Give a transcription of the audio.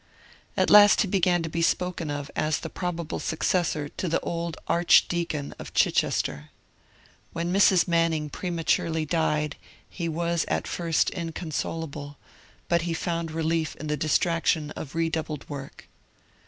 At last he began to be spoken of as the probable successor to the old Archdeacon of Chichester. When Mrs. Manning prematurely died, he was at first inconsolable, but he found relief in the distraction of redoubled work.